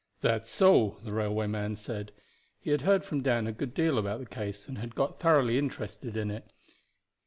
"That's so," the railway man said. He had heard from Dan a good deal about the case, and had got thoroughly interested in it.